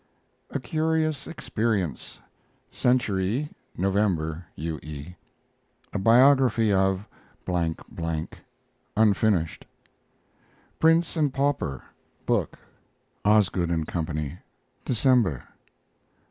A CURIOUS EXPERIENCE Century, November. U. E. A BIOGRAPHY OF (unfinished). PRINCE AND PAUPER book (Osgood R; CO.), December.